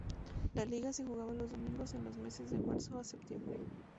La liga se jugaba los domingos en los meses de marzo a septiembre.